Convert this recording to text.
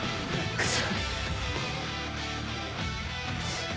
クソ。